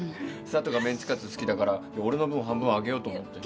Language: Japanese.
佐都がメンチカツ好きだから俺の分を半分あげようと思って。